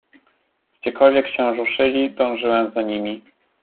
"Gdziekolwiek się ruszyli, dążyłem za nimi."